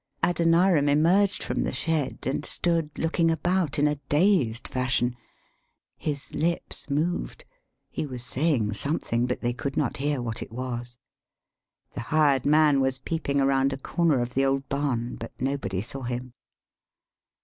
] Adoniram emerged from the shed and stood looking about in a dazed fashion. [His lips moved; he was saying some thing, but they could not hear what it was. The hired man was peeping around a corner of the old barn, but nobody saw him.